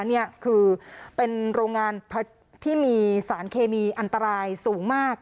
นี่คือเป็นโรงงานที่มีสารเคมีอันตรายสูงมาก